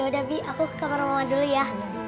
ya udah bi aku ke kamar mama dulu ya